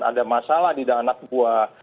ada masalah di dana pekuah